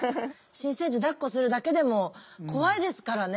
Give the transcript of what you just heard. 新生児だっこするだけでも怖いですからね。